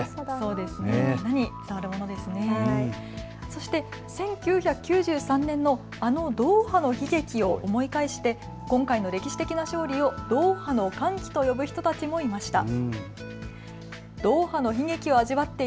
そして１９９３年のドーハの悲劇を思い返して今回の歴史的勝利をドーハの歓喜と呼ぶ人たちもいました。